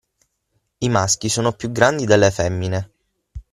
I maschi sono più grandi delle femmine.